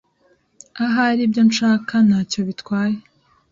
Ahari ibyo nshaka ntacyo bitwaye.